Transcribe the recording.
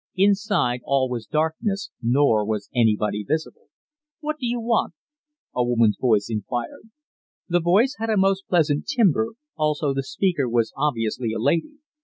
Inside all was darkness, nor was anybody visible. "What do you want?" a woman's voice inquired. The voice had a most pleasant timbre; also the speaker was obviously a lady.